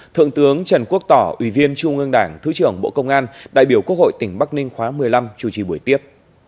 thượng tướng trần quốc tỏ ủy viên trung ương đảng thứ trưởng bộ công an đại biểu quốc hội tỉnh bắc ninh khóa một mươi năm chủ trì buổi tiếp